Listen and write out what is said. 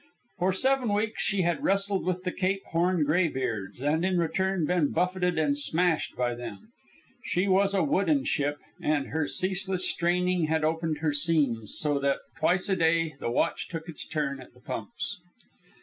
For seven weeks she had wrestled with the Cape Horn graybeards, and in return been buffeted and smashed by them. She was a wooden ship, and her ceaseless straining had opened her seams, so that twice a day the watch took its turn at the pumps.